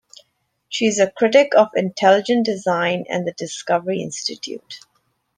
She is a critic of intelligent design and the Discovery Institute.